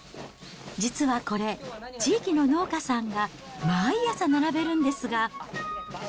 実はこれ、地域の農家さんが、毎朝並べるんですが。